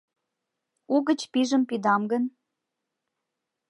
Угыч пижым пидам гын